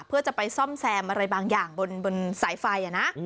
เพื่อจะไปซ่อมแซมอะไรบางอย่างบนสายไฟนะ